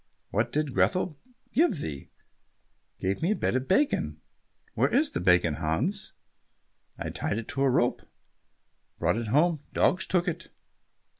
"What did Grethel give thee?" "Gave me a bit of bacon." "Where is the bacon, Hans?" "I tied it to a rope, brought it home, dogs took it."